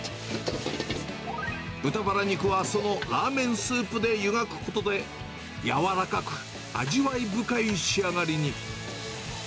豚バラ肉はそのラーメンスープでゆがくことで、柔らかく味わい深い仕上がりに。